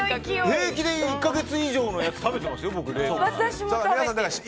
平気で１か月以上のやつ食べてますよ、僕、冷凍して。